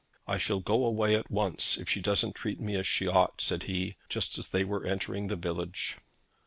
'I shall go away at once if she doesn't treat me as she ought,' said he, just as they were entering the village.